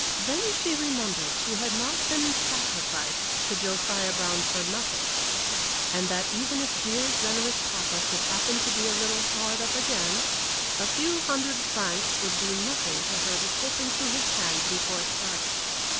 Then she remembered she had not been sacrificed to Josiah Brown for nothing, and that even if dear, generous papa should happen to be a little hard up again, a few hundred francs would be nothing to her to slip into his hand before starting.